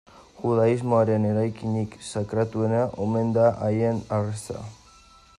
Judaismoaren eraikinik sakratuena omen da Aieneen Harresia.